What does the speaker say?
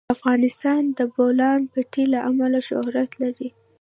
افغانستان د د بولان پټي له امله شهرت لري.